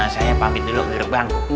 saya pamit dulu duduk bang